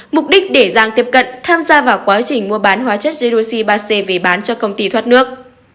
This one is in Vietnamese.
mục đích để giang tiếp cận tham gia vào quá trình mua bán hóa chất jedoxi ba c về bán cho công ty thoát nước